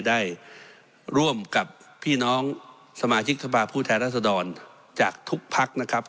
ได้ร่วมกับพี่น้องสมาชิกสภาพผู้แทนรัศดรจากทุกพักนะครับ